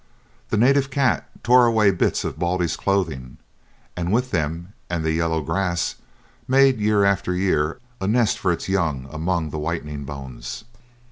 The native cat tore away bits of Baldy's clothing, and with them and the yellow grass made, year after year, a nest for its young among the whitening bones.